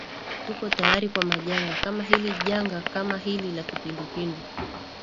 tuko tayari kwa majanga kama hili janga kama hili la kipindupindu